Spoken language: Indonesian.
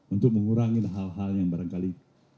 untuk mengurangi hal hal yang barangkali